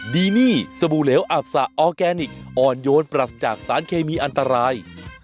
ดีนี่สบู่เหลวอับสะออร์แกนิคอ่อนโยนปรัสจากสารเคมีอันตราย